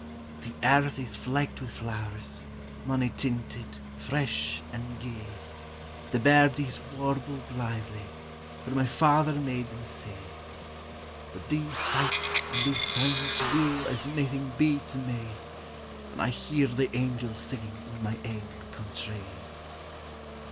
The earth is flecked wi' flowers, mony tinted, fresh, an' gay, The birdies warble blithely, for my Father made them sae; But these sights an' these soun's will as naething be to me, When I hear the angels singing in my ain conn tree.